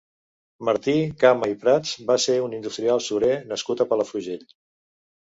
Martí Cama i Prats va ser un industrial surer nascut a Palafrugell.